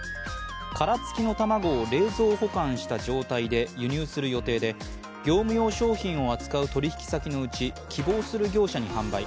殻付きの卵を冷蔵保管した状態で輸入する予定で業務用商品を扱う取引先のうち、希望する業者に販売。